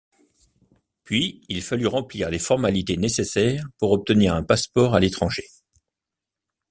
Puis il fallut remplir les formalités nécessaires pour obtenir un passeport à l’étranger.